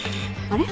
あれ？